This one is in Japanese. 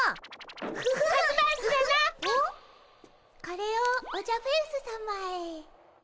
これをオジャフェウスさまへ。